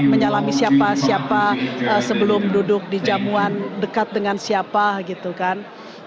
menyalami siapa siapa sebelum duduk di jamuan dekat dengan siapa gitu kan